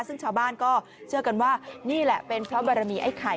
ซึ่งชาวบ้านก็เชื่อกันว่านี่แหละเป็นเพราะบารมีไอ้ไข่